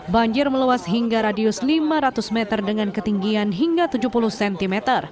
banjir meluas hingga radius lima ratus meter dengan ketinggian hingga tujuh puluh cm